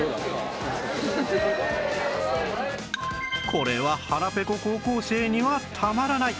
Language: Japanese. これは腹ペコ高校生にはたまらない！